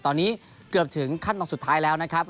ตอนนี้เกือบถึงขั้นตอนสุดท้ายแล้วนะครับ